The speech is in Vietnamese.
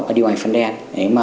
và đi ngoài phần đen